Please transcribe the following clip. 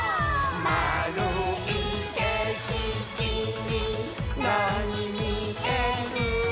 「まあるいけしきになにみえる？？？」